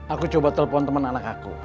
aku coba telepon teman anak aku